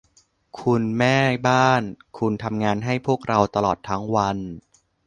คุณแม่บ้าน คุณทำงานให้พวกเราตลอดทั้งวัน